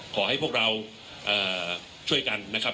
ขอให้พวกเราช่วยกันนะครับ